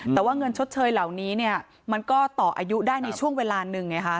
แต่ว่าเงินชดเชยเหล่านี้เนี่ยมันก็ต่ออายุได้ในช่วงเวลาหนึ่งไงคะ